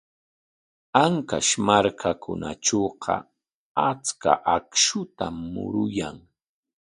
Ancash markakunatrawqa achka akshutam muruyan.